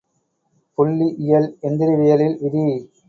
புள்ளி இயல் எந்திரவியலில் விதி.